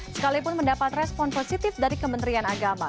sekalipun mendapat respon positif dari kementerian agama